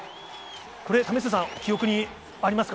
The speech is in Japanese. これ、為末さん、記憶にありますか？